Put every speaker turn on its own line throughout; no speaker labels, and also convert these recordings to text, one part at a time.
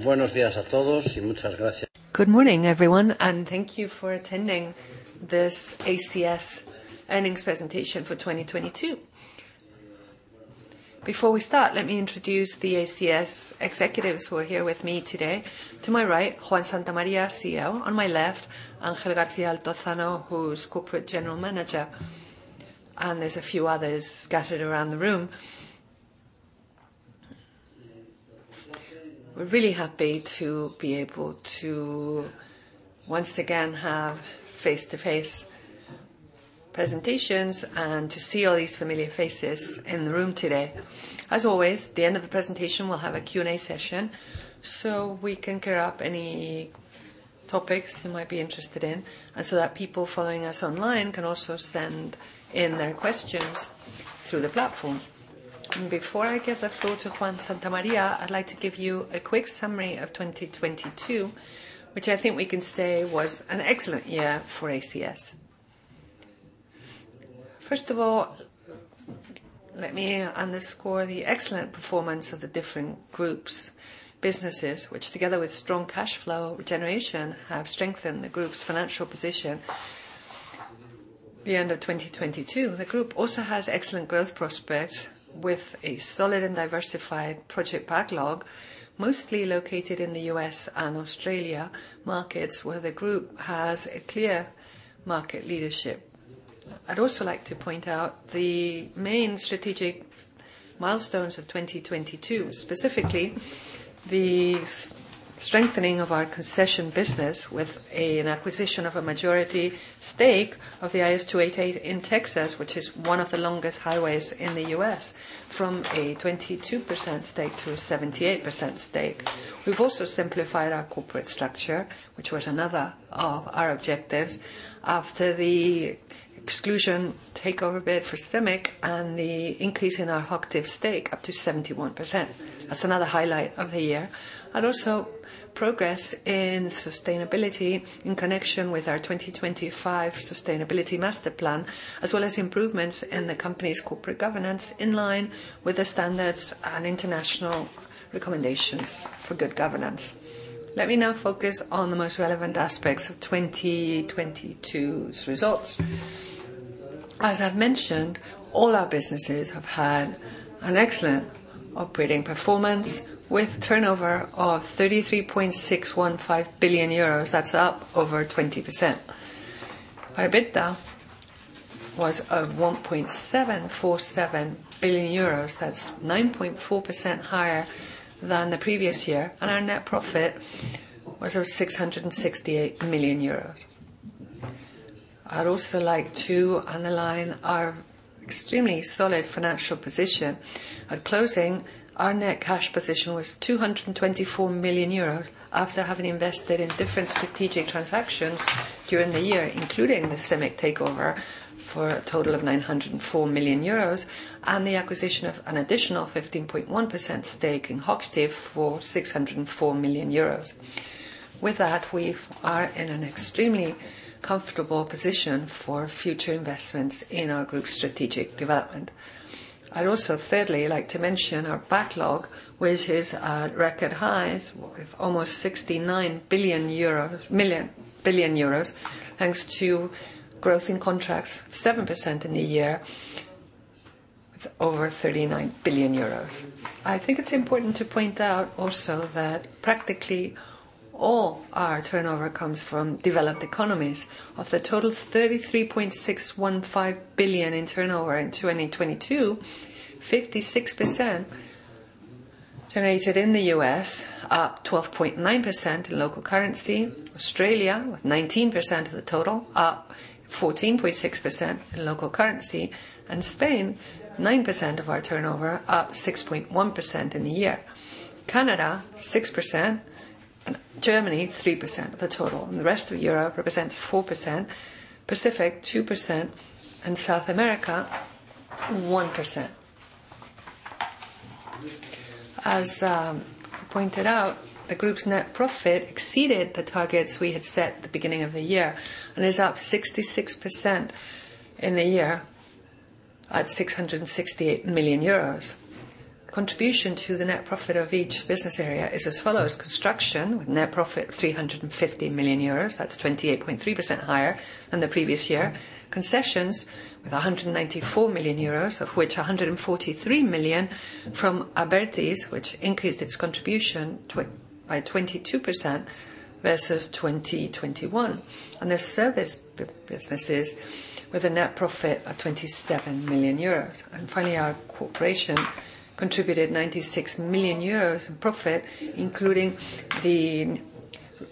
Buenos días a todos y muchas gracias. Good morning, everyone, and thank you for attending this ACS earnings presentation for 2022. Before we start, let me introduce the ACS executives who are here with me today. To my right, Juan Santamaría, CEO. On my left, Ángel García Altozano, who is Corporate General Manager. There's a few others scattered around the room. We're really happy to be able to once again have face-to-face presentations and to see all these familiar faces in the room today. As always, at the end of the presentation we'll have a Q&A session, so we can clear up any topics you might be interested in, and so that people following us online can also send in their questions through the platform. Before I give the floor to Juan Santamaria, I'd like to give you a quick summary of 2022, which I think we can say was an excellent year for ACS. First of all, let me underscore the excellent performance of the different groups, businesses, which together with strong cash flow generation, have strengthened the group's financial position. The end of 2022, the group also has excellent growth prospects with a solid and diversified project backlog, mostly located in the U.S. and Australia markets, where the group has a clear market leadership. I'd also like to point out the main strategic milestones of 2022, specifically the strengthening of our concession business with an acquisition of a majority stake of the SH-288 in Texas, which is one of the longest highways in the U.S., from a 22% stake to a 78% stake. We've also simplified our corporate structure, which was another of our objectives, after the exclusion takeover bid for CIMIC and the increase in our Hochtief stake up to 71%. That's another highlight of the year. Also progress in sustainability in connection with our 2025 sustainability master plan, as well as improvements in the company's corporate governance in line with the standards and international recommendations for good governance. Let me now focus on the most relevant aspects of 2022's results. As I've mentioned, all our businesses have had an excellent operating performance with turnover of 33.615 billion euros. That's up over 20%. Our EBITDA was EUR 1.747 billion. That's 9.4% higher than the previous year. Our net profit was over 668 million euros. Like to underline our extremely solid financial position. At closing, our net cash position was 224 million euros after having invested in different strategic transactions during the year, including the CIMIC takeover for a total of 904 million euros, and the acquisition of an additional 15.1% stake in Hochtief for 604 million euros. We are in an extremely comfortable position for future investments in our group strategic development. Thirdly, like to mention our backlog, which is at a record high with almost 69 billion euros, thanks to growth in contracts of 7% in the year, with over 39 billion euros. I think it's important to point out also that practically all our turnover comes from developed economies. Of the total 33.615 billion in turnover in 2022, 56% generated in the U.S., up 12.9% in local currency. Australia, with 19% of the total, up 14.6% in local currency. Spain, 9% of our turnover, up 6.1% in the year. Canada, 6%, and Germany, 3% of the total. The rest of Europe represents 4%, Pacific, 2%, and South America, 1%. As pointed out, the group's net profit exceeded the targets we had set at the beginning of the year, and is up 66% in the year at 668 million euros. Contribution to the net profit of each business area is as follows: Construction, with net profit 350 million euros, that's 28.3% higher than the previous year. Concessions, with 194 million euros, of which 143 million from Abertis, which increased its contribution by 22% versus 2021. The service businesses, with a net profit of 27 million euros. Finally, our corporation contributed 96 million euros in profit, including the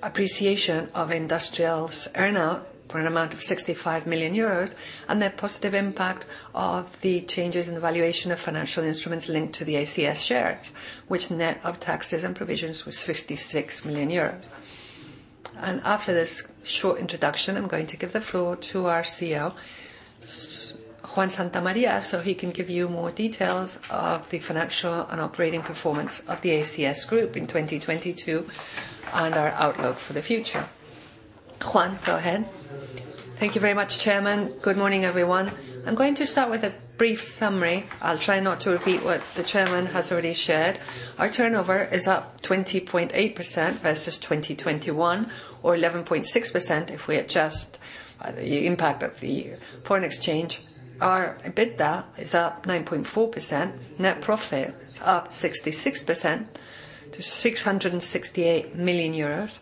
appreciation of Industrial's earnout for an amount of 65 million euros, and the positive impact of the changes in the valuation of financial instruments linked to the ACS shares, which net of taxes and provisions was 56 million euros. After this short introduction, I'm going to give the floor to our CEO, Juan Santamaría, so he can give you more details of the financial and operating performance of the ACS Group in 2022 and our outlook for the future. Juan, go ahead.
Thank you very much, Chairman. Good morning, everyone. I'm going to start with a brief summary. I'll try not to repeat what the chairman has already shared. Our turnover is up 20.8% versus 2021, or 11.6% if we adjust the impact of the foreign exchange. Our EBITDA is up 9.4%. Net profit up 66% to 668 million euros.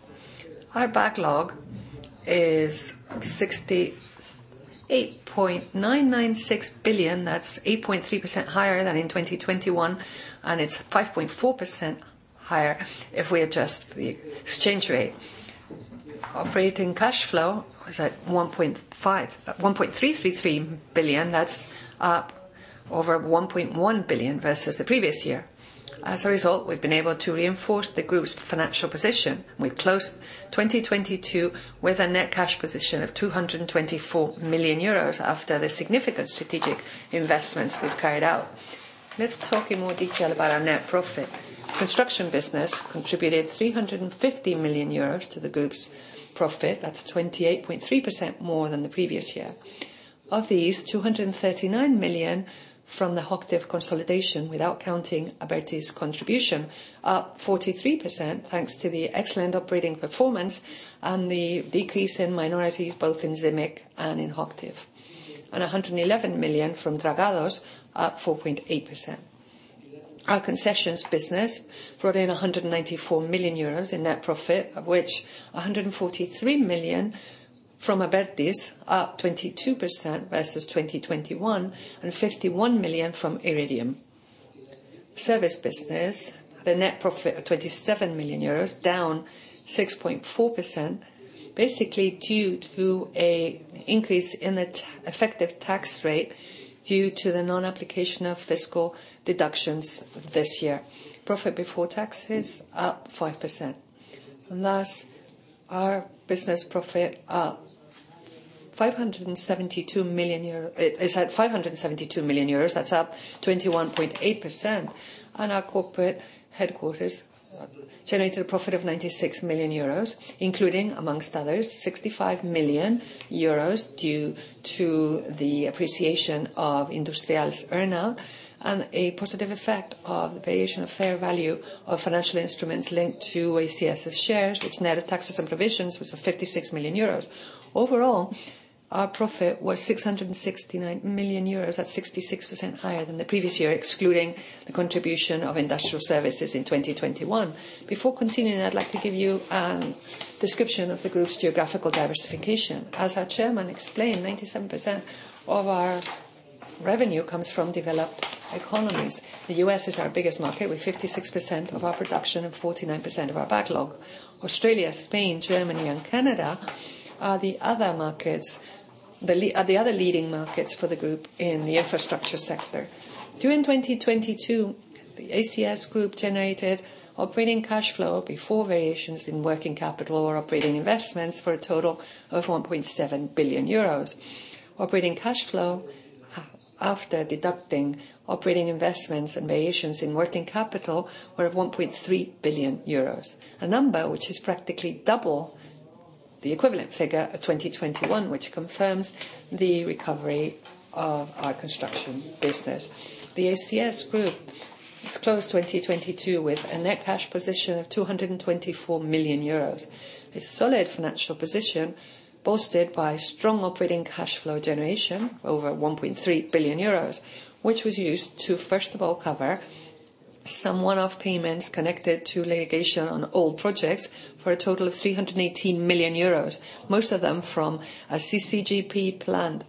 Our backlog is 68.996 billion. That's 8.3% higher than in 2021, and it's 5.4% higher if we adjust the exchange rate. Operating cash flow was at 1.333 billion. That's up over 1.1 billion versus the previous year. As a result, we've been able to reinforce the group's financial position. We closed 2022 with a net cash position of 224 million euros after the significant strategic investments we've carried out. Let's talk in more detail about our net profit. Construction business contributed 350 million euros to the group's profit. That's 28.3% more than the previous year. Of these, 239 million from the Hochtief consolidation, without counting Abertis' contribution, up 43% thanks to the excellent operating performance and the decrease in minorities both in CIMIC and in Hochtief. 111 million from Dragados, up 4.8%. Our concessions business brought in 194 million euros in net profit, of which 143 million from Abertis, up 22% versus 2021, and 51 million from Iridium. Service business, the net profit of 27 million euros, down 6.4%, basically due to an increase in the effective tax rate due to the non-application of fiscal deductions this year. Profit before taxes, up 5%. Thus, our business profit up. is at 572 million euros, that's up 21.8%. Our corporate headquarters generated a profit of 96 million euros, including, amongst others, 65 million euros due to the appreciation of Industrial's earnout and a positive effect of the variation of fair value of financial instruments linked to ACS' shares, which net of taxes and provisions was at 56 million euros. Overall, our profit was 669 million euros. That's 66% higher than the previous year, excluding the contribution of Industrial Services in 2021. Before continuing, I'd like to give you a description of the group's geographical diversification. As our chairman explained, 97% of our revenue comes from developed economies. The U.S. is our biggest market, with 56% of our production and 49% of our backlog. Australia, Spain, Germany, and Canada are the other leading markets for the group in the infrastructure sector. During 2022, the ACS Group generated operating cash flow before variations in working capital or operating investments for a total of 1.7 billion euros. Operating cash flow, after deducting operating investments and variations in working capital, were of 1.3 billion euros. A number which is practically double the equivalent figure of 2021, which confirms the recovery of our construction business. The ACS Group has closed 2022 with a net cash position of 224 million euros. A solid financial position boasted by strong operating cash flow generation, over 1.3 billion euros, which was used to, first of all, cover some one-off payments connected to litigation on old projects for a total of 318 million euros, most of them from a CCPP plant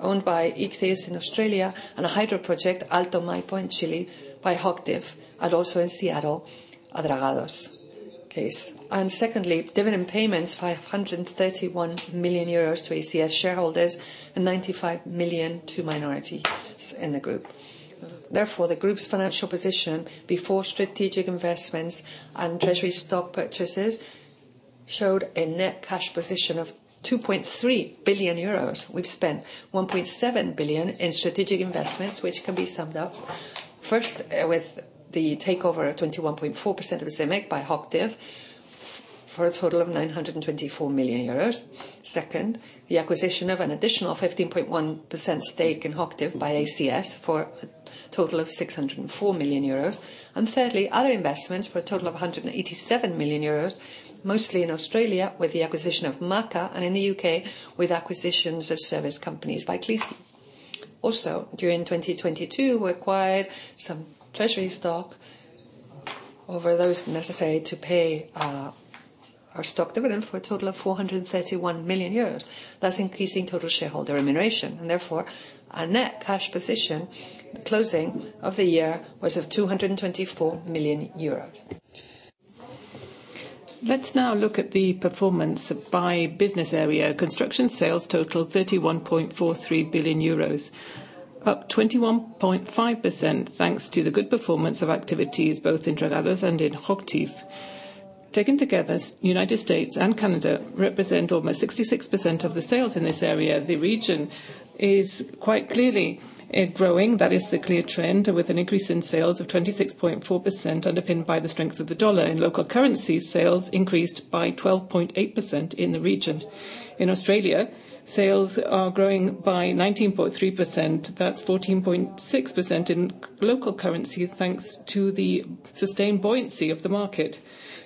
owned by Ichthys in Australia and a hydro project, Alto Maipo in Chile by Hochtief, and also in Seattle, a Dragados case. Secondly, dividend payments, 531 million euros to ACS shareholders and 95 million to minorities in the group. Therefore, the group's financial position before strategic investments and treasury stock purchases showed a net cash position of 2.3 billion euros. We've spent 1.7 billion in strategic investments, which can be summed up first, with the takeover of 21.4% of CIMIC by Hochtief for a total of 924 million euros. Second, the acquisition of an additional 15.1% stake in Hochtief by ACS for a total of 604 million euros. Thirdly, other investments for a total of 187 million euros, mostly in Australia with the acquisition of MACA and in the U.K. with acquisitions of service companies by Clece. Also, during 2022, we acquired some treasury stock over those necessary to pay, our stock dividend for a total of 431 million euros, thus increasing total shareholder remuneration. Therefore, our net cash position closing of the year was of 224 million euros. Let's now look at the performance by business area. Construction sales totaled EUR 31.43 billion, up 21.5%, thanks to the good performance of activities both in Dragados and in Hochtief. Taken together, United States and Canada represent almost 66% of the sales in this area. The region is quite clearly growing. That is the clear trend, with an increase in sales of 26.4% underpinned by the strength of the dollar. In local currency, sales increased by 12.8% in the region. In Australia, sales are growing by 19.3%. That's 14.6% in local currency, thanks to the sustained buoyancy of the market.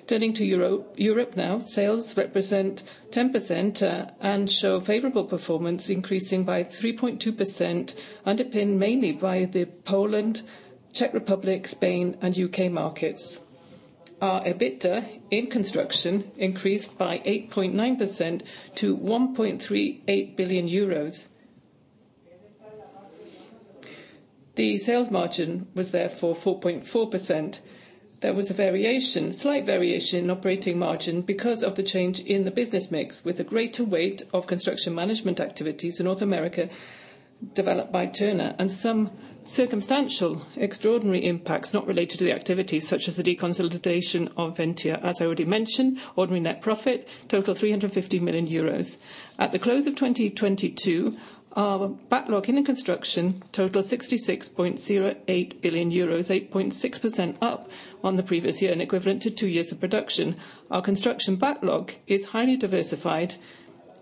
Turning to Europe now. Sales represent 10% and show favorable performance, increasing by 3.2%, underpinned mainly by the Poland, Czech Republic, Spain, and UK markets. Our EBITDA in construction increased by 8.9% to EUR 1.38 billion. The sales margin was therefore 4.4%. There was a variation, slight variation in operating margin because of the change in the business mix, with a greater weight of construction management activities in North America developed by Turner, and some circumstantial extraordinary impacts not related to the activities, such as the deconsolidation of Ventia, as I already mentioned. Ordinary net profit total EUR 350 million. At the close of 2022, our backlog in construction totaled 66.08 billion euros, 8.6% up on the previous year and equivalent to 2 years of production. Our construction backlog is highly diversified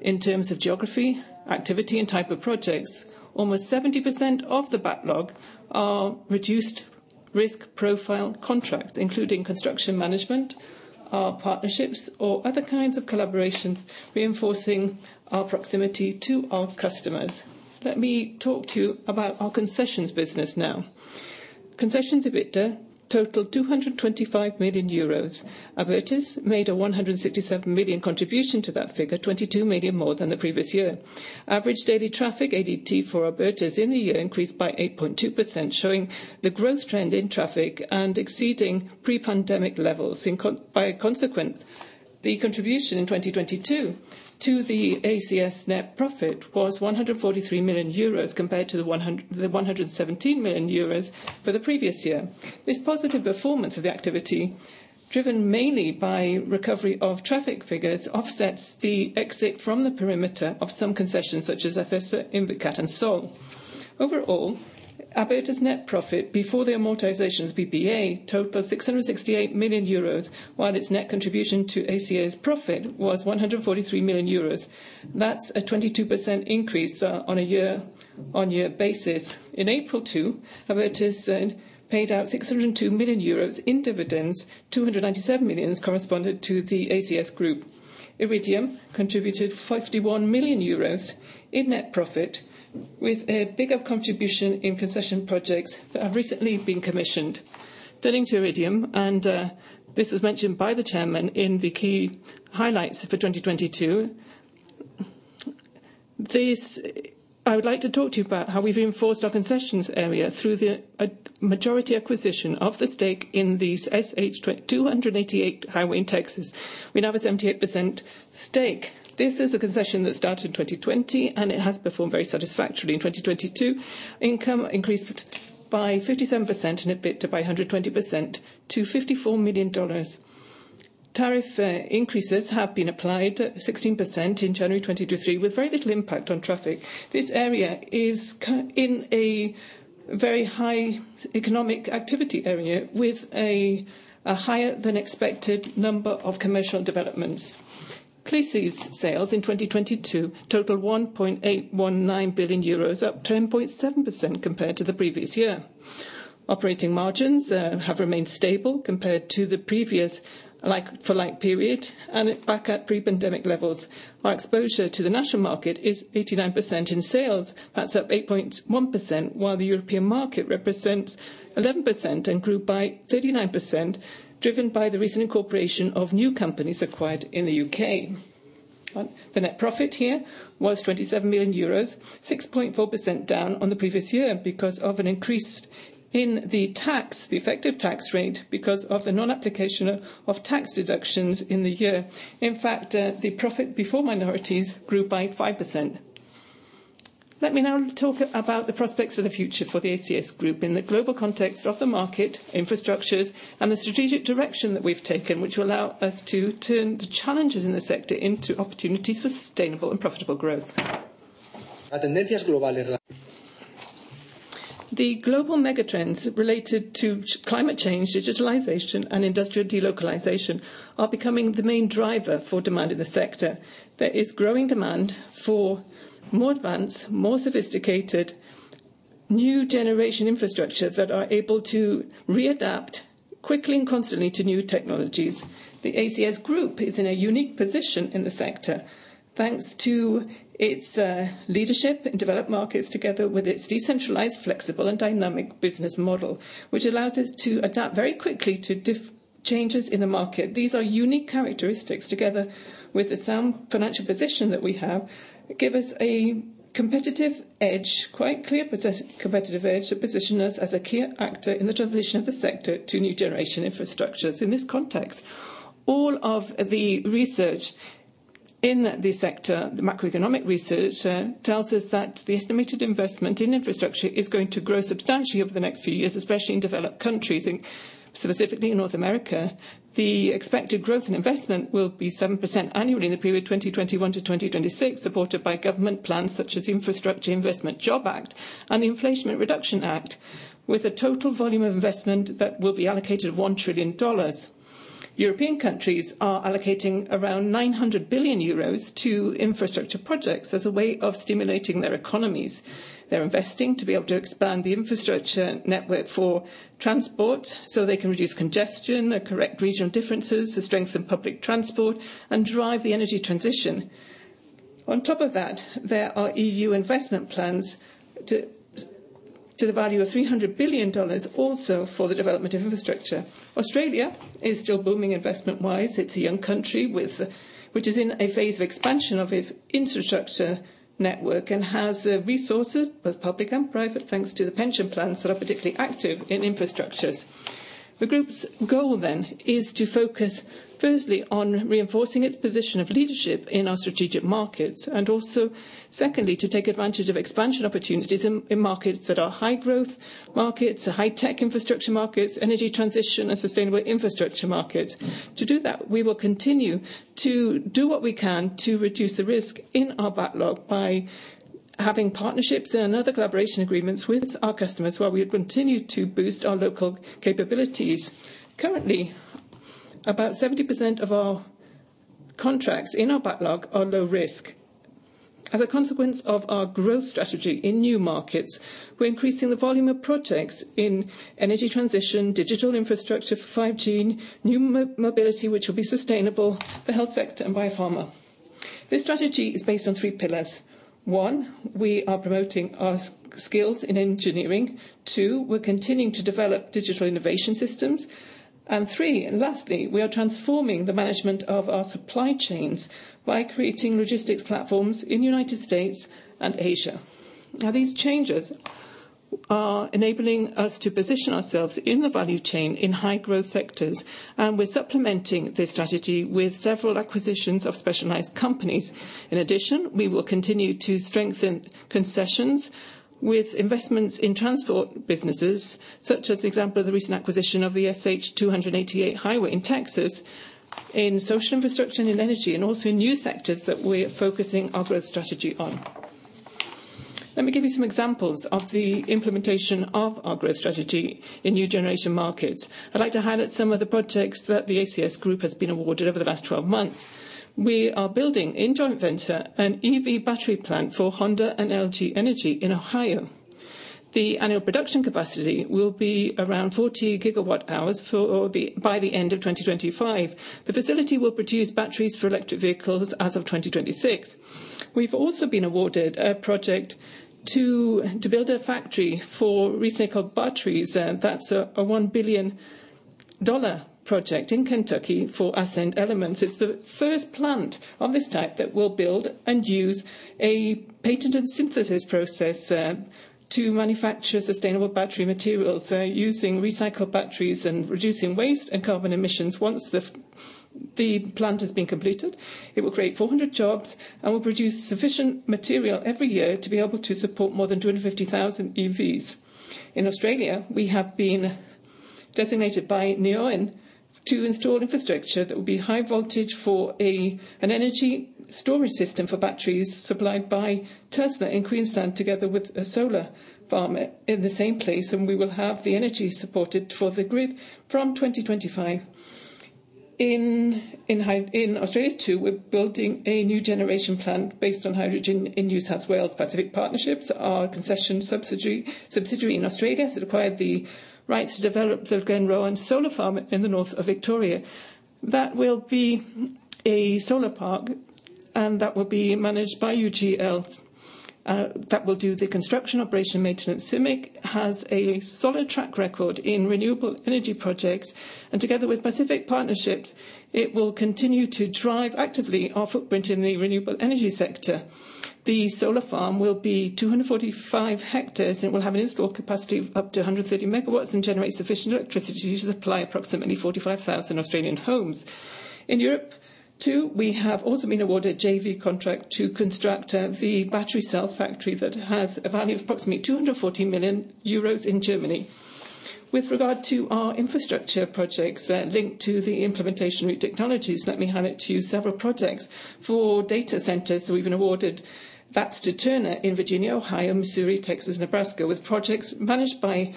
in terms of geography, activity, and type of projects. Almost 70% of the backlog are reduced risk profile contracts, including construction management, partnerships, or other kinds of collaborations reinforcing our proximity to our customers. Let me talk to you about our concessions business now. Concessions EBITDA totaled EUR 225 million. Abertis made a EUR 167 million contribution to that figure, EUR 22 million more than the previous year. Average daily traffic, ADT, for Abertis in the year increased by 8.2%, showing the growth trend in traffic and exceeding pre-pandemic levels. By consequent, the contribution in 2022 to the ACS net profit was 143 million euros compared to the 117 million euros for the previous year. This positive performance of the activity, driven mainly by recovery of traffic figures, offsets the exit from the perimeter of some concessions such as ATLLSA, Invicat, and Sol. Overall, Abertis' net profit before the amortizations, PPA, totaled 668 million euros, while its net contribution to ACS profit was 143 million euros. That's a 22% increase on a year-on-year basis. In April too, Abertis paid out 602 million euros in dividends. 297 million corresponded to the ACS Group. Iridium contributed 51 million euros in net profit, with a bigger contribution in concession projects that have recently been commissioned. Turning to Iridium, this was mentioned by the chairman in the key highlights for 2022. I would like to talk to you about how we've reinforced our concessions area through the majority acquisition of the stake in the SH-288 highway in Texas. We now have a 78% stake. This is a concession that started in 2020, and it has performed very satisfactorily in 2022. Income increased by 57% and EBITDA by 120% to $54 million. Tariff increases have been applied at 16% in January 2023, with very little impact on traffic. This area is in a very high economic activity area, with a higher-than-expected number of commercial developments. Clece sales in 2022 totaled 1.819 billion euros, up 10.7% compared to the previous year. Operating margins have remained stable compared to the previous like-for-like period and are back at pre-pandemic levels. Our exposure to the national market is 89% in sales. That's up 8.1%, while the European market represents 11% and grew by 39%, driven by the recent incorporation of new companies acquired in the U.K. The net profit here was 27 million euros, 6.4% down on the previous year because of an increase in the tax, the effective tax rate, because of the non-application of tax deductions in the year. In fact, the profit before minorities grew by 5%. Let me now talk about the prospects for the future for the ACS Group in the global context of the market, infrastructures, and the strategic direction that we've taken, which will allow us to turn the challenges in the sector into opportunities for sustainable and profitable growth. The global megatrends related to climate change, digitalization, and industrial delocalization are becoming the main driver for demand in the sector. There is growing demand for more advanced, more sophisticated, new generation infrastructure that are able to readapt quickly and constantly to new technologies. The ACS Group is in a unique position in the sector, thanks to its leadership in developed markets, together with its decentralized, flexible, and dynamic business model, which allows us to adapt very quickly to changes in the market. These are unique characteristics, together with the sound financial position that we have, give us a competitive edge, quite clear competitive edge, that position us as a key actor in the transition of the sector to new generation infrastructures. In this context, the macroeconomic research tells us that the estimated investment in infrastructure is going to grow substantially over the next few years, especially in developed countries, and specifically in North America. The expected growth in investment will be 7% annually in the period 2021 to 2026, supported by government plans such as Infrastructure Investment and Jobs Act and the Inflation Reduction Act, with a total volume of investment that will be allocated $1 trillion. European countries are allocating around 900 billion euros to infrastructure projects as a way of stimulating their economies. They're investing to be able to expand the infrastructure network for transport so they can reduce congestion, correct regional differences, to strengthen public transport, and drive the energy transition. On top of that, there are EU investment plans to the value of $300 billion also for the development of infrastructure. Australia is still booming investment-wise. It's a young country which is in a phase of expansion of its infrastructure network and has resources, both public and private, thanks to the pension plans that are particularly active in infrastructures. The group's goal then is to focus firstly on reinforcing its position of leadership in our strategic markets, and also secondly, to take advantage of expansion opportunities in markets that are high growth markets, are high-tech infrastructure markets, energy transition, and sustainable infrastructure markets. To do that, we will continue to do what we can to reduce the risk in our backlog by having partnerships and other collaboration agreements with our customers while we continue to boost our local capabilities. Currently, about 70% of our contracts in our backlog are low risk. As a consequence of our growth strategy in new markets, we're increasing the volume of projects in energy transition, digital infrastructure for 5G, new mobility, which will be sustainable, the health sector, and biopharma. This strategy is based on three pillars. One, we are promoting our skills in engineering. Two, we're continuing to develop digital innovation systems. And three, and lastly, we are transforming the management of our supply chains by creating logistics platforms in the United States and Asia. Now, these changes are enabling us to position ourselves in the value chain in high-growth sectors, and we're supplementing this strategy with several acquisitions of specialized companies. In addition, we will continue to strengthen concessions with investments in transport businesses, such as the example of the recent acquisition of the SH-288 highway in Texas, in social infrastructure and in energy, and also in new sectors that we're focusing our growth strategy on. Let me give you some examples of the implementation of our growth strategy in new generation markets. I'd like to highlight some of the projects that the ACS Group has been awarded over the last 12 months. We are building in joint venture an EV battery plant for Honda and LG Energy in Ohio. The annual production capacity will be around 40 gigawatt hours by the end of 2025. The facility will produce batteries for electric vehicles as of 2026. We've also been awarded a project to build a factory for recycled batteries, that's a $1 billion project in Kentucky for Ascend Elements. It's the first plant of this type that will build and use a patented synthesis process to manufacture sustainable battery materials, using recycled batteries and reducing waste and carbon emissions. Once the plant has been completed, it will create 400 jobs and will produce sufficient material every year to be able to support more than 250,000 EVs. In Australia, we have been designated by Neoen to install infrastructure that will be high voltage for an energy storage system for batteries supplied by Tesla in Queensland, together with a solar farm in the same place. We will have the energy supported for the grid from 2025. In Australia, too, we're building a new generation plant based on hydrogen in New South Wales. Pacific Partnerships, our concession subsidiary in Australia has acquired the rights to develop the Glenrowan Solar Farm in the north of Victoria. That will be a solar park, and that will be managed by UGL. That will do the construction, operation, maintenance. CIMIC has a solid track record in renewable energy projects, and together with Pacific Partnerships, it will continue to drive actively our footprint in the renewable energy sector. The solar farm will be 245 hectares, and it will have an install capacity of up to 130 megawatts and generate sufficient electricity to supply approximately 45,000 Australian homes. In Europe, too, we have also been awarded JV contract to construct, the battery cell factory that has a value of approximately 240 million euros in Germany. With regard to our infrastructure projects, linked to the implementation route technologies, let me hand it to you several projects. For data centers, we've been awarded that's to Turner in Virginia, Ohio, Missouri, Texas, Nebraska, with projects managed by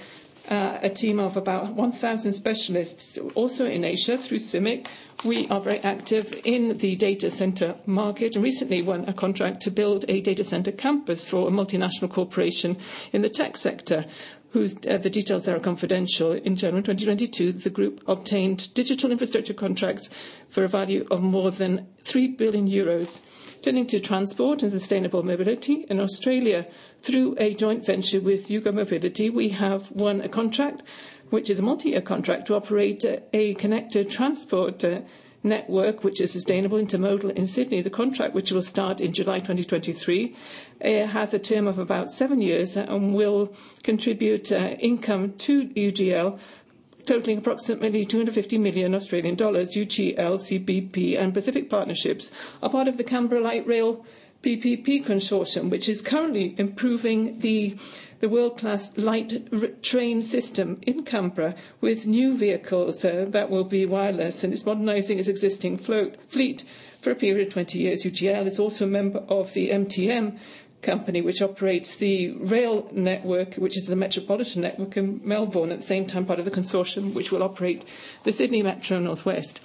a team of about 1,000 specialists. Also in Asia through CIMIC, we are very active in the data center market and recently won a contract to build a data center campus for a multinational corporation in the tech sector, whose the details are confidential. In June of 2022, the group obtained digital infrastructure contracts for a value of more than 3 billion euros. Turning to transport and sustainable mobility, in Australia, through a joint venture with Mobility, we have won a contract, which is a multi-year contract, to operate a connected transport network, which is sustainable intermodal in Sydney. The contract, which will start in July 2023, has a term of about seven years and will contribute income to UGL Totaling approximately 250 million Australian dollars, UGL, CPB Contractors, and Pacific Partnerships are part of the Canberra Light Rail PPP consortium, which is currently improving the world-class light train system in Canberra with new vehicles that will be wireless. It's modernizing its existing fleet for a period of 20 years. UGL is also a member of the MTM company, which operates the rail network, which is the metropolitan network in Melbourne, at the same time, part of the consortium which will operate the Sydney Metro Northwest.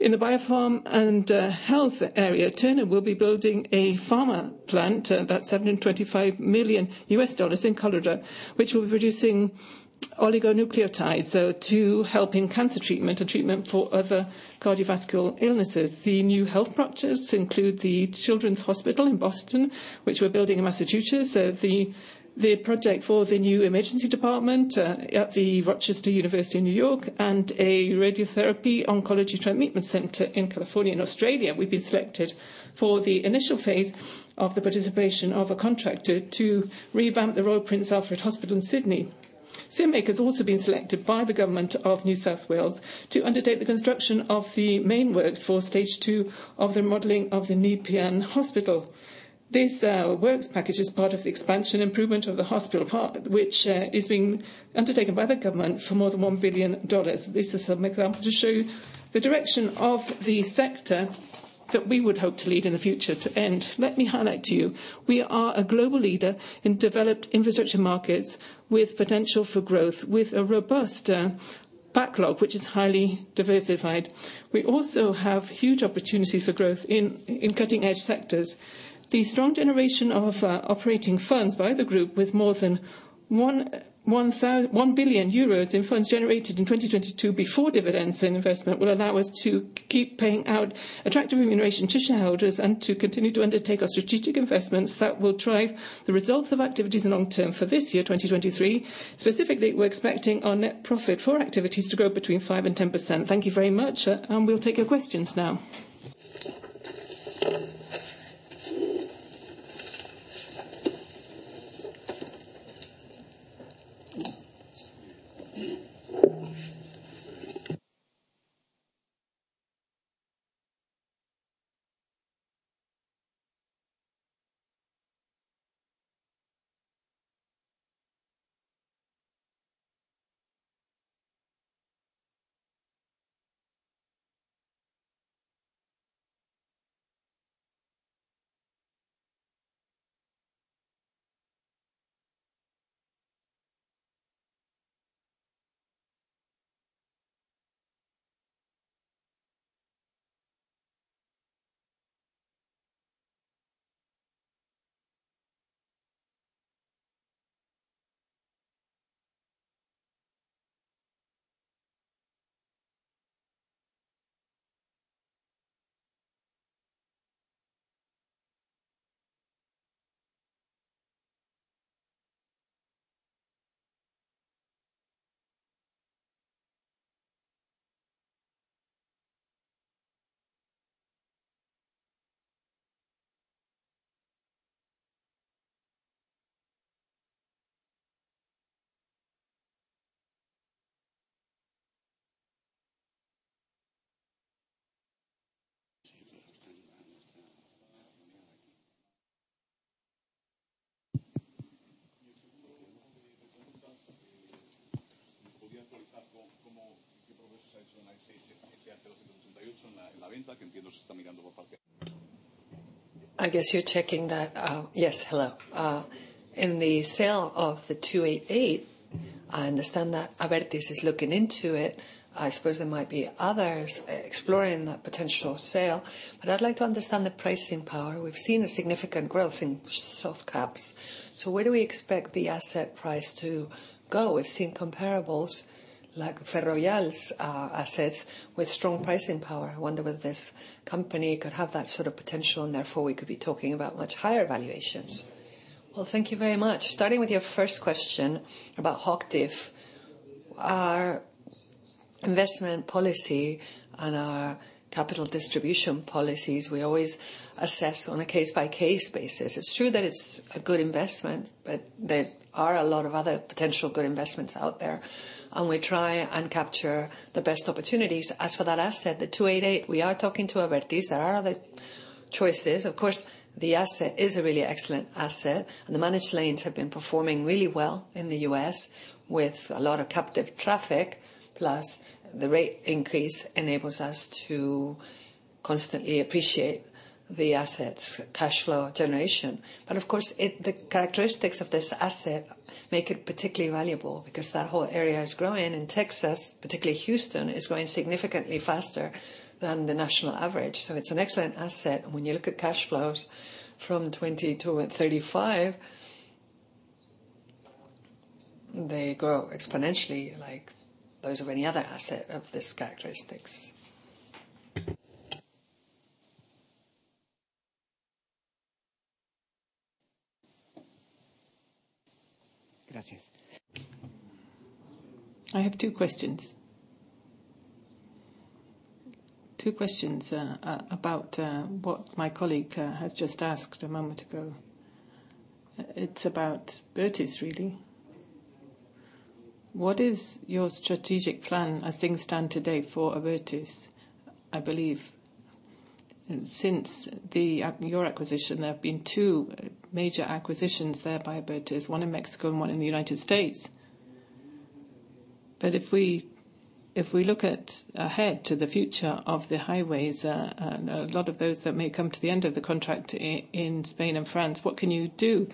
In the biopharm and health area, Turner will be building a pharma plant about $725 million in Colorado, which will be producing oligonucleotides to helping cancer treatment and treatment for other cardiovascular illnesses. The new health practice include the Children's Hospital in Boston, which we're building in Massachusetts. The project for the new emergency department at the University of Rochester in New York, and a radiotherapy oncology treatment center in California and Australia. We've been selected for the initial phase of the participation of a contractor to revamp the Royal Prince Alfred Hospital in Sydney. CIMIC has also been selected by the government of New South Wales to undertake the construction of the main works for stage two of the modeling of the Nepean Hospital. This works package is part of the expansion improvement of the hospital park, which is being undertaken by the government for more than $1 billion. These are some examples to show you the direction of the sector that we would hope to lead in the future. To end, let me highlight to you, we are a global leader in developed infrastructure markets with potential for growth, with a robust backlog, which is highly diversified. We also have huge opportunity for growth in cutting-edge sectors. The strong generation of operating funds by the group with more than 1 billion euros in funds generated in 2022 before dividends and investment will allow us to keep paying out attractive remuneration to shareholders and to continue to undertake our strategic investments that will drive the results of activities long term. For this year, 2023, specifically, we're expecting our net profit for activities to grow between 5% and 10%. Thank you very much. We'll take your questions now. I guess you're checking that. Yes, hello.
In the sale of the SH-288, I understand that Abertis is looking into it. I suppose there might be others exploring that potential sale. I'd like to understand the pricing power. We've seen a significant growth in soft caps. Where do we expect the asset price to go? We've seen comparables like Ferrovial's assets with strong pricing power. I wonder whether this company could have that sort of potential, and therefore, we could be talking about much higher valuations.
Well, thank you very much. Starting with your first question about Hochtief. Our investment policy and our capital distribution policies, we always assess on a case-by-case basis. It's true that it's a good investment, but there are a lot of other potential good investments out there, and we try and capture the best opportunities. As for that asset, the 288, we are talking to Abertis. There are other choices. Of course, the asset is a really excellent asset, and the managed lanes have been performing really well in the U.S. with a lot of captive traffic. Plus the rate increase enables us to constantly appreciate the asset's cash flow generation. Of course, the characteristics of this asset make it particularly valuable because that whole area is growing, and Texas, particularly Houston, is growing significantly faster than the national average. It's an excellent asset. When you look at cash flows from 20-35, they grow exponentially like those of any other asset of this characteristics.
Gracias.
I have two questions about what my colleague has just asked a moment ago. It's about Abertis really. What is your strategic plan as things stand today for Abertis? I believe since your acquisition, there have been two major acquisitions there by Abertis, one in Mexico and one in the United States. If we look at ahead to the future of the highways, and a lot of those that may come to the end of the contract in Spain and France, what can you do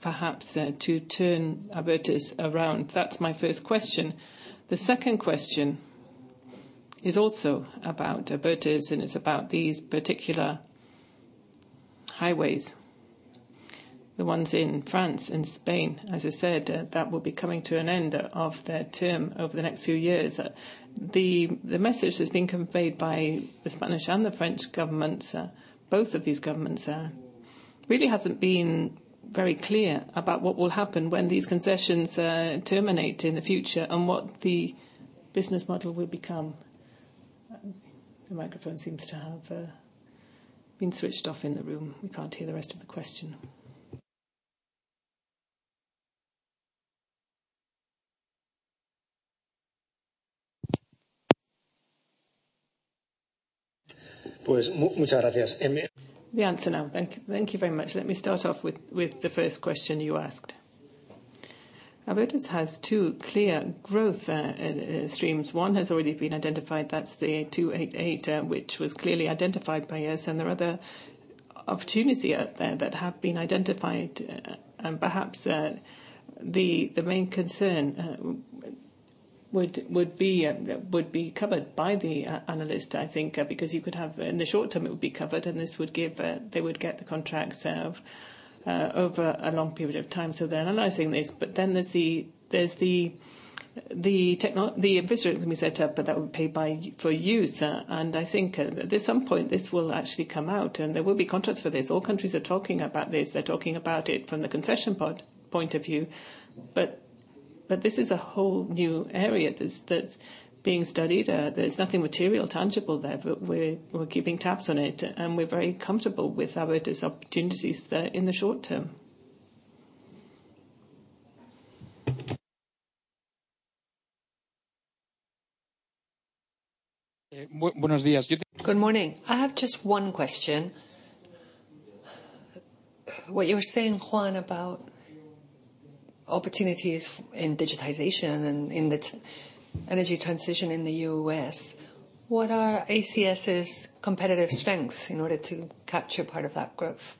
perhaps to turn Abertis around? That's my first question. The second question is also about Abertis, and it's about these particular highways, the ones in France and Spain. As I said, that will be coming to an end of their term over the next few years. The message that's been conveyed by the Spanish and the French governments, both of these governments, really hasn't been very clear about what will happen when these concessions terminate in the future and what the business model will become.
The microphone seems to have been switched off in the room. We can't hear the rest of the question. The answer now. Thank you very much. Let me start off with the first question you asked. Abertis has two clear growth streams. One has already been identified, that's the 288, which was clearly identified by us, and there are other opportunities out there that have been identified. Perhaps, the main concern would be covered by the analyst, I think, because you could have... In the short term, it would be covered, and this would give, they would get the contracts over a long period of time. They're analyzing this. There's the infrastructure that will be set up, but that would pay for use. I think at some point this will actually come out, and there will be contracts for this. All countries are talking about this. They're talking about it from the concession point of view. This is a whole new area that's being studied. There's nothing material tangible there, but we're keeping tabs on it. We're very comfortable with Abertis opportunities there in the short term.
Good morning. I have just one question. What you were saying, Juan, about opportunities in digitization and in the energy transition in the U.S., what are ACS's competitive strengths in order to capture part of that growth?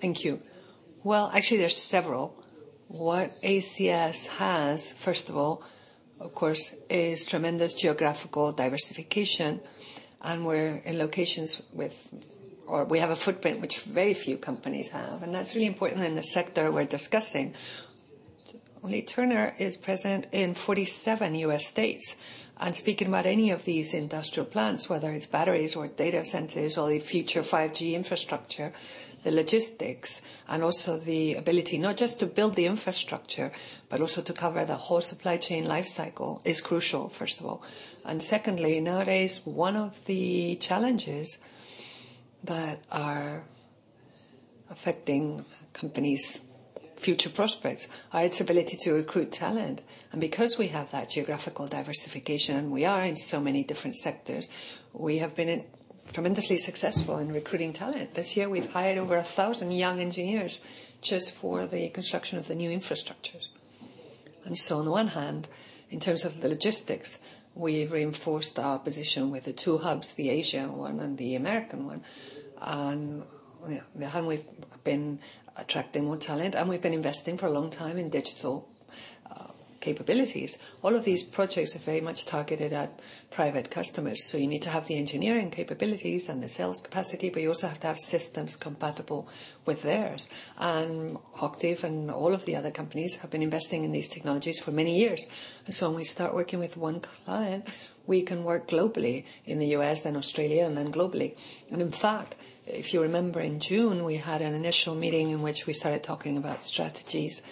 Thank you.
Well, actually, there's several. What ACS has, first of all, of course, is tremendous geographical diversification, and we have a footprint which very few companies have, and that's really important in the sector we're discussing. Only Turner is present in 47 U.S. states. Speaking about any of these industrial plants, whether it's batteries or data centers or the future 5G infrastructure, the logistics and also the ability not just to build the infrastructure, but also to cover the whole supply chain life cycle is crucial, first of all. Secondly, nowadays, one of the challenges that are affecting companies' future prospects is ability to recruit talent. Because we have that geographical diversification, we are in so many different sectors. We have been tremendously successful in recruiting talent. This year, we've hired over 1,000 young engineers just for the construction of the new infrastructures. On the one hand, in terms of the logistics, we've reinforced our position with the two hubs, the Asian one and the American one. On the other hand, we've been attracting more talent, and we've been investing for a long time in digital capabilities. All of these projects are very much targeted at private customers, so you need to have the engineering capabilities and the sales capacity, but you also have to have systems compatible with theirs. Octave and all of the other companies have been investing in these technologies for many years. When we start working with one client, we can work globally in the U.S. and Australia and then globally. In fact, if you remember in June, we had an initial meeting in which we started talking about strategies,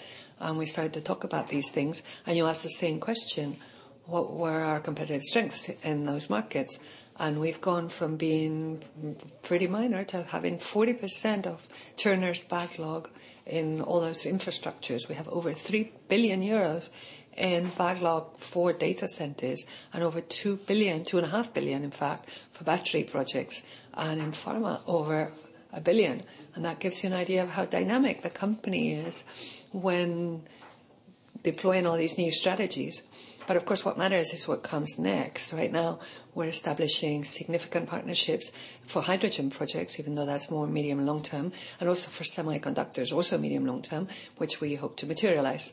and we started to talk about these things. You asked the same question, what were our competitive strengths in those markets? We've gone from being pretty minor to having 40% of Turner's backlog in all those infrastructures. We have over 3 billion euros in backlog for data centers and over 2.5 billion, in fact, for battery projects, and in pharma, over 1 billion. That gives you an idea of how dynamic the company is when deploying all these new strategies. Of course, what matters is what comes next. Right now, we're establishing significant partnerships for hydrogen projects, even though that's more medium and long term, and also for semiconductors, also medium and long term, which we hope to materialize.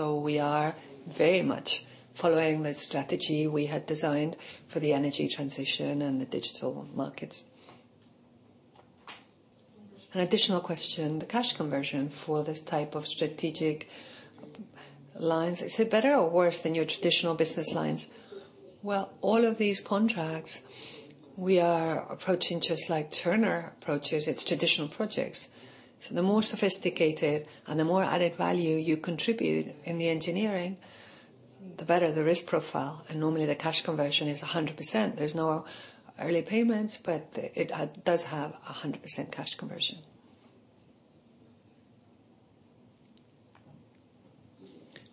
We are very much following the strategy we had designed for the energy transition and the digital markets.
An additional question, the cash conversion for this type of strategic lines, is it better or worse than your traditional business lines?
Well, all of these contracts. We are approaching just like Turner approaches its traditional projects. The more sophisticated and the more added value you contribute in the engineering, the better the risk profile, and normally the cash conversion is 100%. There's no early payments, but it does have 100% cash conversion.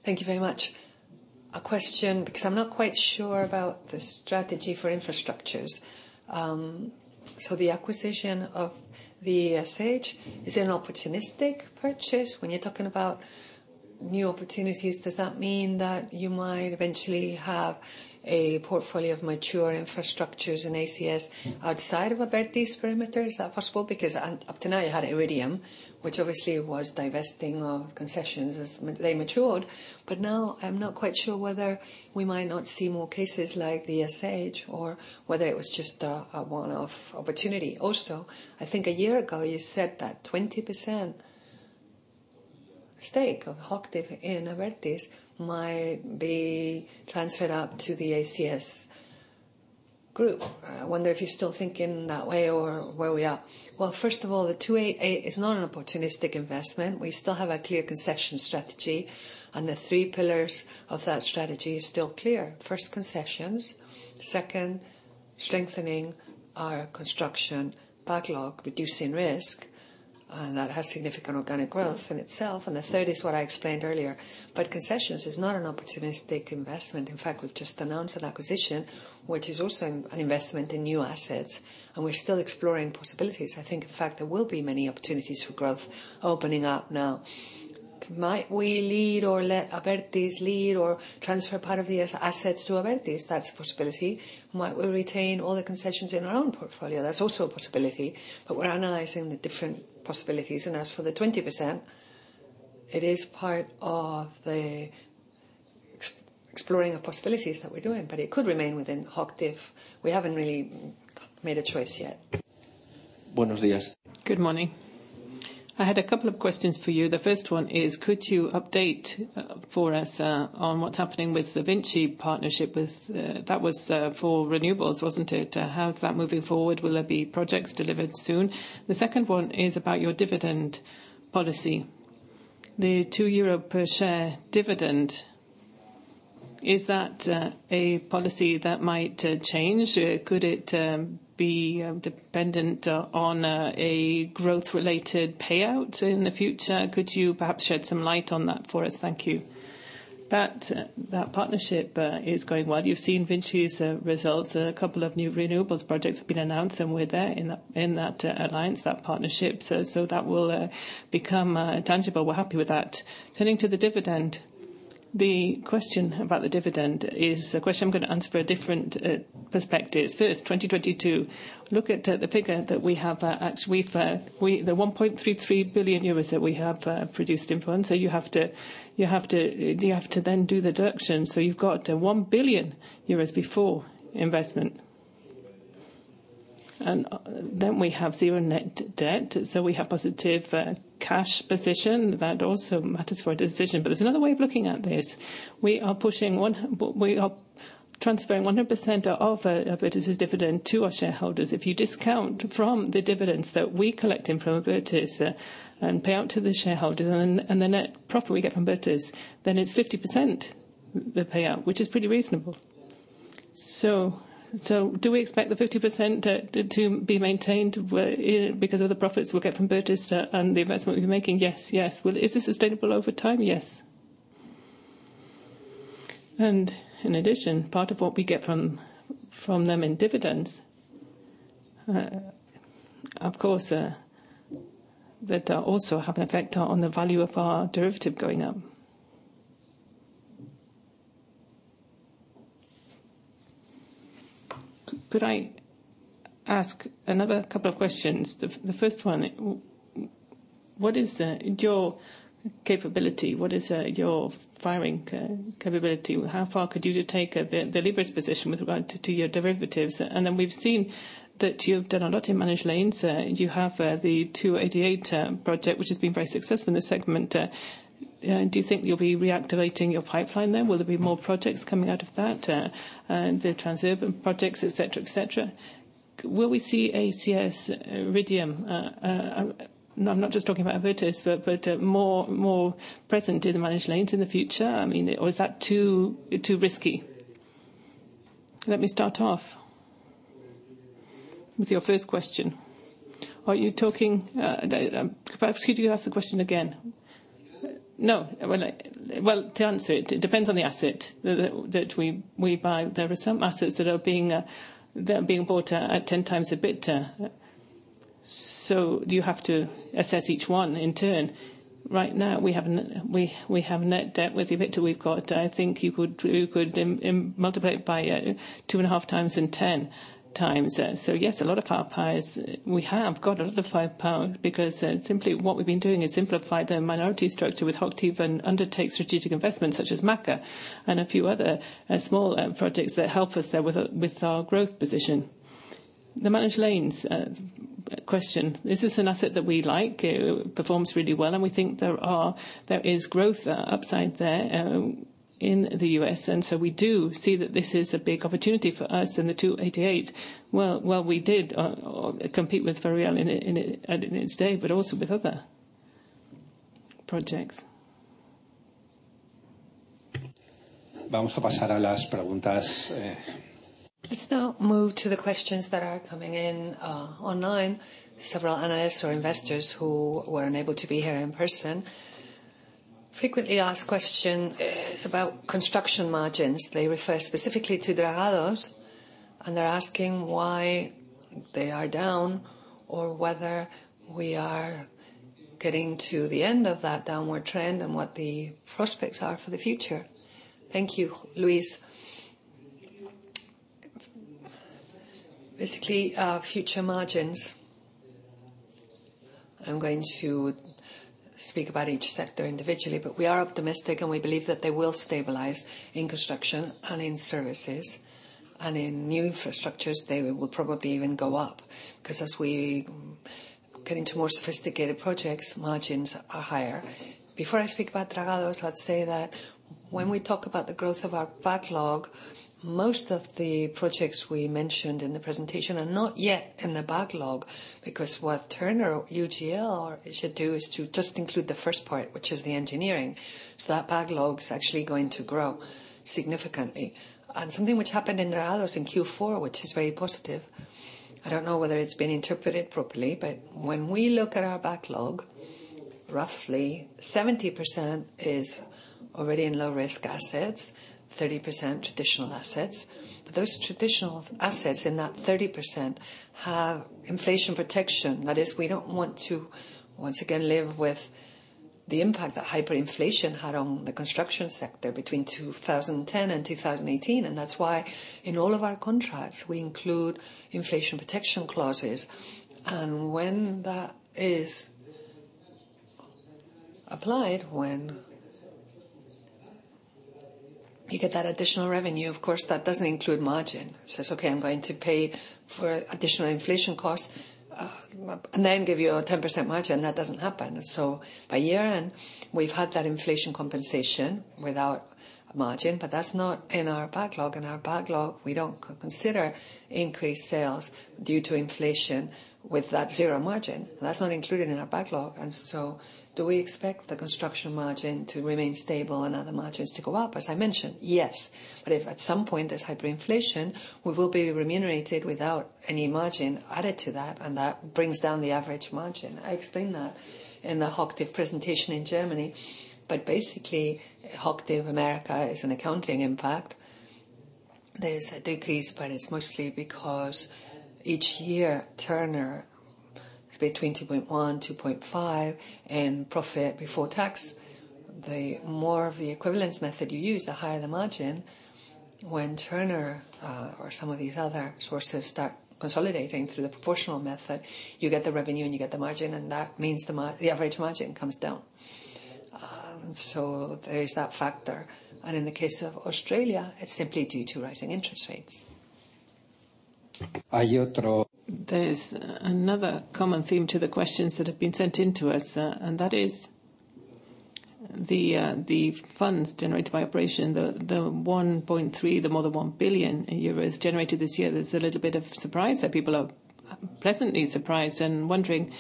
Thank you very much. A question, because I'm not quite sure about the strategy for infrastructures. The acquisition of the SH, is it an opportunistic purchase? When you're talking about new opportunities, does that mean that you might eventually have a portfolio of mature infrastructures in ACS outside of Abertis perimeters? Is that possible? Because up to now you had Iridium, which obviously was divesting of concessions as they matured. Now I'm not quite sure whether we might not see more cases like the SH or whether it was just a one-off opportunity. I think a year ago you said that 20% stake of Hochtief in Abertis might be transferred out to the ACS Group. I wonder if you still think in that way or where we are.
Well, first of all, the SH-288 is not an opportunistic investment. We still have a clear concession strategy, and the three pillars of that strategy is still clear. First, concessions. Second, strengthening our construction backlog, reducing risk, and that has significant organic growth in itself. The third is what I explained earlier. Concessions is not an opportunistic investment. In fact, we've just announced an acquisition, which is also an investment in new assets, and we're still exploring possibilities. I think, in fact, there will be many opportunities for growth opening up now. Might we lead or let Abertis lead or transfer part of the as-assets to Abertis? That's a possibility. Might we retain all the concessions in our own portfolio? That's also a possibility, but we're analyzing the different possibilities. As for the 20%, it is part of the exploring of possibilities that we're doing, but it could remain within Hochtief. We haven't really made a choice yet.
Good morning. I had a couple of questions for you. The first one is, could you update for us on what's happening with the VINCI partnership with That was for renewables, wasn't it? How is that moving forward? Will there be projects delivered soon? The second one is about your dividend policy. The 2 euro per share dividend, is that a policy that might change? Could it be dependent on a growth-related payout in the future? Could you perhaps shed some light on that for us? Thank you.
That partnership is going well. You've seen VINCI's results. A couple of new renewables projects have been announced, and we're there in that alliance, that partnership. That will become tangible. We're happy with that. Turning to the dividend. The question about the dividend is a question I'm gonna answer for different perspectives. First, 2022. Look at the figure that we have. The 1.33 billion euros that we have produced in funds. You have to then do the deduction. You've got 1 billion euros before investment. We have 0 net debt, so we have positive cash position. That also matters for a decision. There's another way of looking at this. We are transferring 100% of Abertis' dividend to our shareholders. If you discount from the dividends that we collect in from Abertis and pay out to the shareholders and the net profit we get from Abertis, then it's 50% the payout, which is pretty reasonable. Do we expect the 50% to be maintained because of the profits we'll get from Abertis and the investment we'll be making? Yes. Well, is this sustainable over time? Yes. In addition, part of what we get from them in dividends, of course, that also have an effect on the value of our derivative going up.
Could I ask another couple of questions? The first one, what is your capability? What is your firing capability? How far could you take the liberties position with regard to your derivatives? Then we've seen that you've done a lot in managed lanes. You have the SH-288 project, which has been very successful in this segment. Do you think you'll be reactivating your pipeline then? Will there be more projects coming out of that and the Transurban projects, et cetera, et cetera? Will we see ACS Iridium? And I'm not just talking about Abertis, but more present in the managed lanes in the future, I mean, or is that too risky?
Let me start off with your first question. Excuse me. Ask the question again. No. Well, well, to answer it depends on the asset that we buy. There are some assets that are being bought at 10x the EBITDA. You have to assess each one in turn. Right now, we have net debt with the EBITDA we've got. I think you could multiply it by 2.5x and 10x Yes, a lot of our PIAs, we have got a lot of the PIA because, simply what we've been doing is simplify the minority structure with Hochtief and undertake strategic investments such as MACA and a few other small projects that help us with our growth position. The managed lanes. Question. This is an asset that we like. It performs really well, we think there is growth upside there in the U.S. We do see that this is a big opportunity for us in the SH-288. Well, while we did compete with Ferrovial in its day, also with other projects.
Let's now move to the questions that are coming in online. Several analysts or investors who were unable to be here in person. Frequently asked question is about construction margins. They refer specifically to Dragados, and they're asking why they are down or whether we are getting to the end of that downward trend and what the prospects are for the future. Thank you, Luis.
Basically, our future margins, I'm going to speak about each sector individually, but we are optimistic, and we believe that they will stabilize in construction and in services. In new infrastructures, they will probably even go up because as we get into more sophisticated projects, margins are higher. Before I speak about Dragados, I'd say that when we talk about the growth of our backlog, most of the projects we mentioned in the presentation are not yet in the backlog. Because what Turner or UGL should do is to just include the first part, which is the engineering. That backlog is actually going to grow significantly. Something which happened in Dragados in Q4, which is very positive, I don't know whether it's been interpreted properly, but when we look at our backlog, roughly 70% is already in low-risk assets, 30% traditional assets. Those traditional assets in that 30% have inflation protection. That is, we don't want to, once again, live with the impact that hyperinflation had on the construction sector between 2010 and 2018. That's why in all of our contracts, we include inflation protection clauses. When that is applied, when you get that additional revenue, of course, that doesn't include margin. It's okay, I'm going to pay for additional inflation costs, and then give you a 10% margin. That doesn't happen. By year-end, we've had that inflation compensation without margin, but that's not in our backlog. In our backlog, we don't consider increased sales due to inflation with that 0% margin. That's not included in our backlog. Do we expect the construction margin to remain stable and other margins to go up? If at some point there's hyperinflation, we will be remunerated without any margin added to that, and that brings down the average margin. I explained that in the Hochtief presentation in Germany. Basically, Hochtief America is an accounting impact. There's a decrease, but it's mostly because each year, Turner is between 2.1%-2.5% in profit before tax. The more of the equivalence method you use, the higher the margin. When Turner, or some of these other sources start consolidating through the proportional method, you get the revenue and you get the margin, and that means the average margin comes down. There is that factor. In the case of Australia, it's simply due to rising interest rates.
There's another common theme to the questions that have been sent into us, and that is the funds generated by operation, the 1.3, the more than 1 billion euros generated this year. There's a little bit of surprise that people are pleasantly surprised and wondering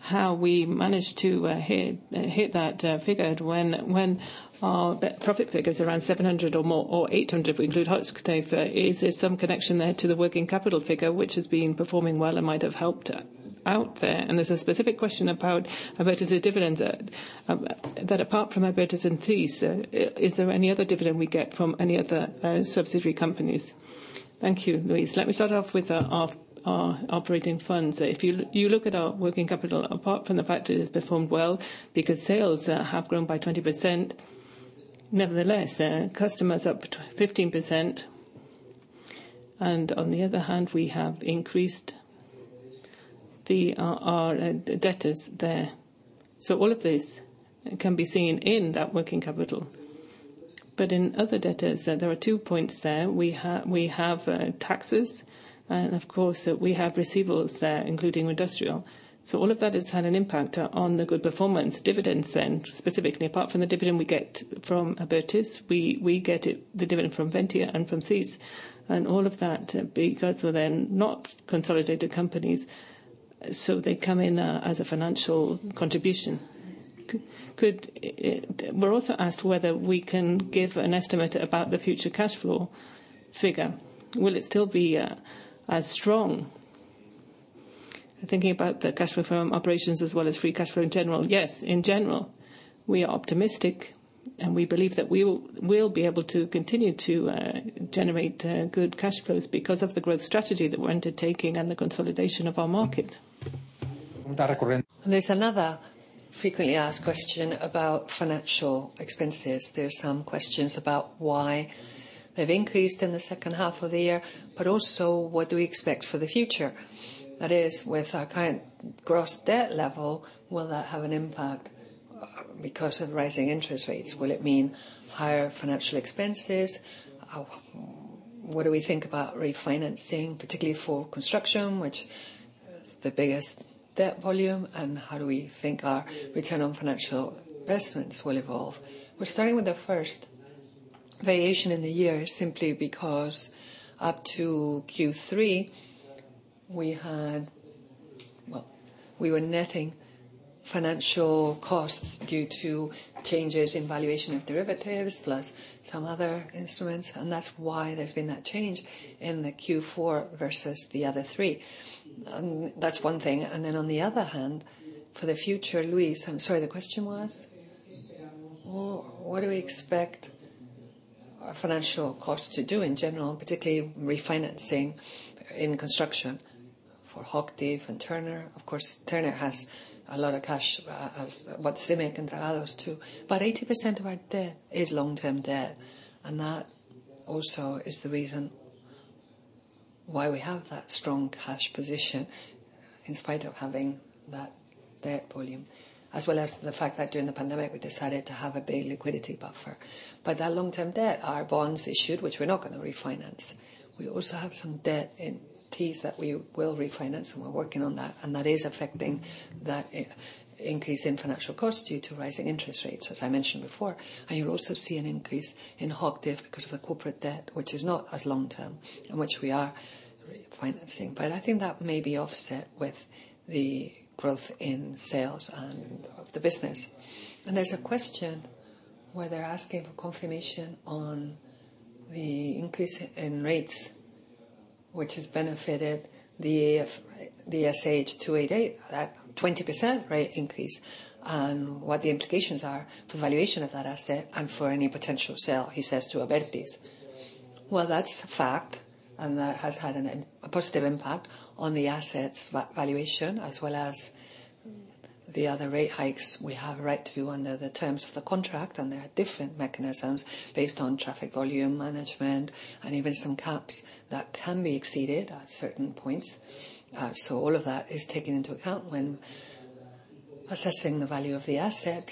how we managed to hit that figure when our net profit figure is around 700 or more or 800 if we include Hochtief. Is there some connection there to the working capital figure, which has been performing well and might have helped out there? There's a specific question about Abertis dividend. Apart from Abertis and ACS, is there any other dividend we get from any other subsidiary companies?
Thank you, Luis. Let me start off with our operating funds. If you look at our working capital, apart from the fact that it has performed well because sales have grown by 20%, nevertheless, customers up 15%. On the other hand, we have increased our debtors there. All of this can be seen in that working capital. In other debtors, there are two points there. We have taxes, and of course, we have receivables there, including Industrial. All of that has had an impact on the good performance. Dividends, specifically, apart from the dividend we get from Abertis, we get it, the dividend from Ventia and from Thiess. All of that because they're not consolidated companies, they come in as a financial contribution. Could... We're also asked whether we can give an estimate about the future cash flow figure. Will it still be as strong? Thinking about the cash flow from operations as well as free cash flow in general, yes, in general, we are optimistic, and we believe that we will be able to continue to generate good cash flows because of the growth strategy that we're undertaking and the consolidation of our market. There's another frequently asked question about financial expenses. There are some questions about why they've increased in the second half of the year. Also, what do we expect for the future? That is, with our current gross debt level, will that have an impact because of rising interest rates? Will it mean higher financial expenses? What do we think about refinancing, particularly for construction, which is the biggest debt volume, and how do we think our return on financial investments will evolve? We're starting with the first variation in the year simply because up to Q3 we were netting financial costs due to changes in valuation of derivatives plus some other instruments, and that's why there's been that change in the Q4 versus the other three. That's one thing. Then on the other hand, for the future, Luis, I'm sorry, the question was? What do we expect our financial costs to do in general, particularly refinancing in construction for Hochtief and Turner? Of course, Turner has a lot of cash, but Cimic and Dragados too. 80% of our debt is long-term debt, and that also is the reason why we have that strong cash position in spite of having that debt volume, as well as the fact that during the pandemic, we decided to have a big liquidity buffer. That long-term debt are bonds issued, which we're not gonna refinance. We also have some debt entities that we will refinance, and we're working on that, and that is affecting that increase in financial costs due to rising interest rates, as I mentioned before. You'll also see an increase in Hochtief because of the corporate debt, which is not as long-term, and which we are refinancing. I think that may be offset with the growth in sales and of the business. There's a question where they're asking for confirmation on the increase in rates, which has benefited the SH-288, that 20% rate increase, and what the implications are for valuation of that asset and for any potential sale, he says, to Abertis. Well, that's a fact, and that has had a positive impact on the asset's valuation as well as the other rate hikes we have a right to under the terms of the contract. There are different mechanisms based on traffic volume management and even some caps that can be exceeded at certain points. All of that is taken into account when assessing the value of the asset.